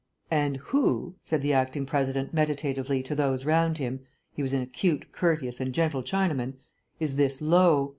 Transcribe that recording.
"And who," said the acting President meditatively to those round him (he was an acute, courteous, and gentle Chinaman), "is this Lo?